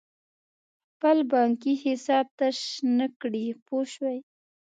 خپل بانکي حساب تش نه کړې پوه شوې!.